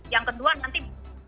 yang kedua nanti